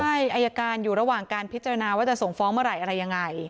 ใช่อายการอยู่ระหว่างการพิจารณาว่าจะส่งฟ้องเมื่อไหร่อะไรยังไง